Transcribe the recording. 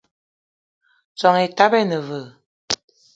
Soan etaba ine veu?